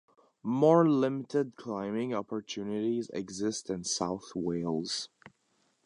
More limited climbing opportunities exist in South Wales.